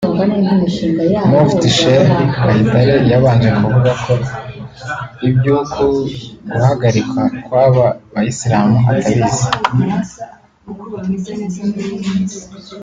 Mufti Sheikh Kayitare yabanje kuvuga ko iby’uku guhagarikwa kw’aba Bayisilamu atabizi